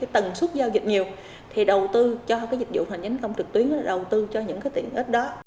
tầng suất giao dịch nhiều đầu tư cho dịch vụ hành chính công trực tuyến đầu tư cho những tiện ít đó